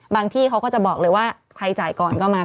ที่เขาก็จะบอกเลยว่าใครจ่ายก่อนก็มา